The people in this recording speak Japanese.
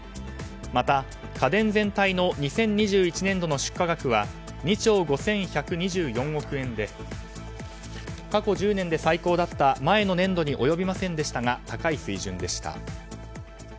また家電全体の２０２１年度の出荷額は２兆５１２４億円で過去１０年で最高だった前の年度に及びませんでしたが高い水準でした。